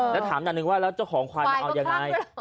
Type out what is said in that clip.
แล้วถามหน่อยแล้วเจ้าของควายมาเอาอย่างไร